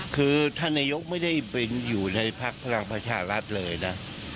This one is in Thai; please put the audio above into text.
คือท่านนายกไม่ได้ไปอยู่ในภักดิ์พลังประชารัฐเลยนะ